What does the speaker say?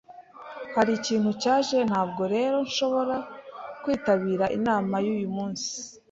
Hari ikintu cyaje, ntabwo rero nshobora kwitabira inama yuyu munsi.